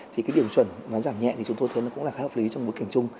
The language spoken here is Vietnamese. thì cái điểm chuẩn mà giảm nhẹ thì chúng tôi thấy nó cũng là khá hợp lý trong bối cảnh chung